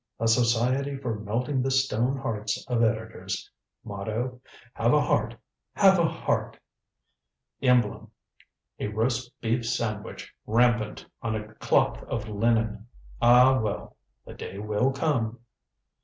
A Society for Melting the Stone Hearts of Editors. Motto: 'Have a heart have a heart!' Emblem, a roast beef sandwich rampant, on a cloth of linen. Ah, well the day will come."